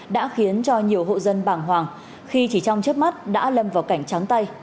đã khiến cho nhiều hộ dân bảng hoàng khi chỉ trong chấp mắt đã lâm vào cảnh trắng tay